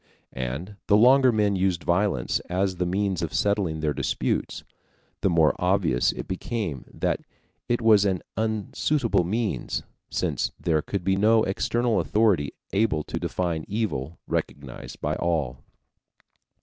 And the longer men used violence as the means of settling their disputes, the more obvious it became that it was an unsuitable means, since there could be no external authority able to define evil recognized by all.